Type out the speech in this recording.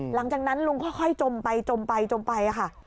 หลังจากนั้นลุงค่อยจมไปจมไปจมไปค่ะ